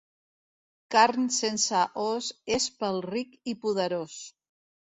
Carn sense os és pel ric i poderós.